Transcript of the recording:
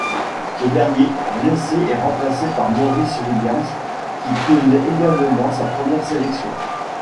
Ce dernier, blessé, est remplacé par Maurice Williams qui connaît également sa première sélection.